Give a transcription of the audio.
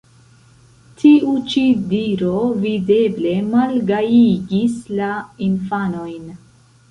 Tiu ĉi diro videble malgajigis la infanojn.